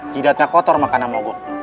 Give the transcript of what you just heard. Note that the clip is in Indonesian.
jidatnya kotor makanya mogok